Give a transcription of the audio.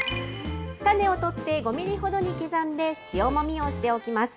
種を取って、５ミリほどに刻んで、塩もみをしておきます。